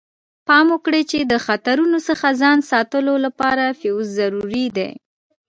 پام وکړئ چې د خطرونو څخه ځان ساتلو لپاره فیوز ضروري دی.